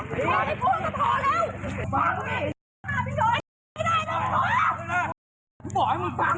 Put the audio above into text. พี่ท้อนพี่ท้อนพี่ท้อนพี่ท้อน